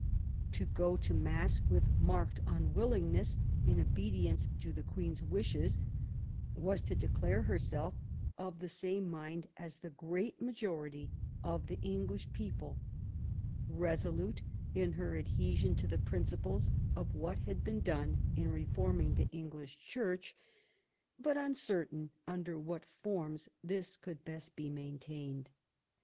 To go to Mass with marked unwillingness, in obedience to the Queen's wishes, was to declare herself of the same mind as the great majority of the English people, resolute in her adhesion to the principles of what had been done in reforming the English Church, but uncertain under what forms this could best be maintained.